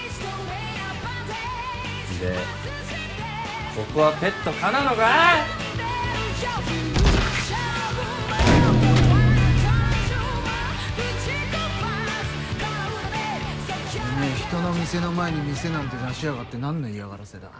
でここはペット可なのか⁉てめぇ人の店の前に店なんて出しやがってなんの嫌がらせだ？